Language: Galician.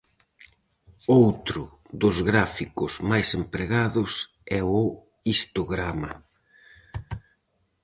Outro dos gráficos máis empregados é o "histograma".